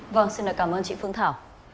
vâng xin lời cảm ơn chị phương thảo